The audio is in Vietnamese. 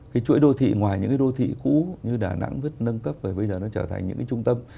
cái chuỗi đô thị ngoài những cái đô thị cũ như đà nẵng vứt nâng cấp rồi bây giờ nó trở thành những cái trung tâm